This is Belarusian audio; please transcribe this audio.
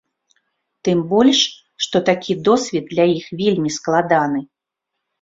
Тым больш, што такі досвед для іх вельмі складаны.